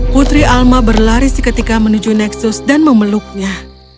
putri alma berlari seketika menuju nexus dan memeluknya